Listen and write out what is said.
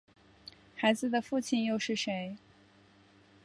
孩子的父亲又是谁？